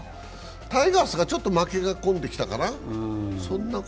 タイガースがちょっと負けが混んできたかな。